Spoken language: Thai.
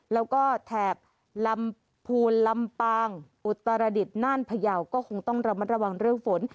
แล้วก็แถบลำพูนลำปางอุตรดิษฐ์น่านพยาวก็คงต้องระมัดระวังเรื่องฝน